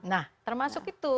nah termasuk itu